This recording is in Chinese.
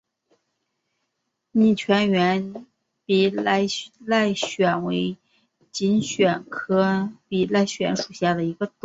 拟全缘比赖藓为锦藓科比赖藓属下的一个种。